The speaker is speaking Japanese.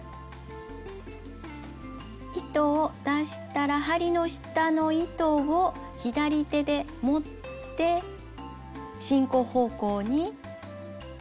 糸を出したら針の下の糸を左手で持って進行方向に引きます。